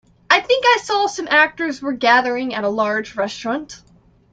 I think I saw some actors were gathering at a large restaurant.